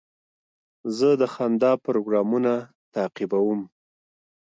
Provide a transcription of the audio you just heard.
زه د خندا پروګرامونه تعقیبوم.